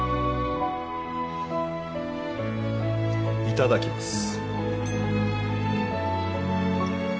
いただきます。